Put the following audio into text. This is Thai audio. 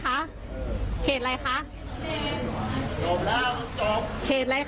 จบแล้วจบเขตอะไรคะไม่จบไม่สวยแล้ว